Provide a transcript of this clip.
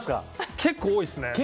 結構多いですね。